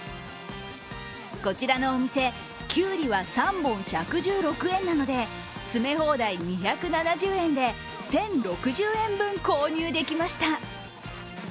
こちらのお店、きゅうりは３本１１６円なので詰め放題２７０円で、１０６０円分購入できました。